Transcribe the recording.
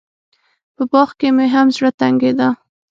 په باغ کښې مې هم زړه تنګېده.